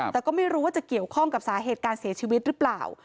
แต่ก็ไม่รู้ว่าจะเกี่ยวข้องกับสาเหตุการเสียชีวิตหรือเปล่า